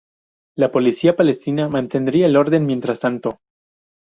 La policía palestina mantendría el orden mientras tanto.